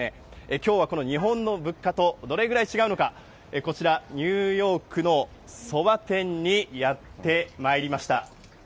きょうはこの日本の物価と、どれぐらい違うのか、こちら、ニューヨークのそば店にやってまいりました。